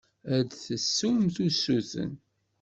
Ad d-tessumt usuten.